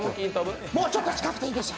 もうちょっと近くていいですよ。